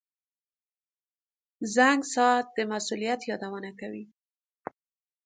• زنګ ساعت د مسؤلیت یادونه کوي.